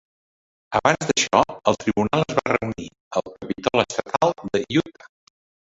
Abans d'això, el tribunal es va reunir al Capitol Estatal de Utah.